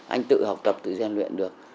anh tự học tập tự gian luyện được